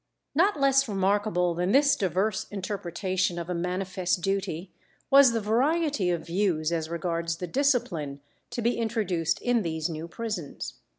Not less remarkable than this diverse interpretation of a manifest duty was the variety of views as regards the discipline to be introduced in these new prisons.